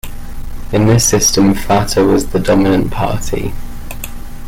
In this system Fatah was the dominant party.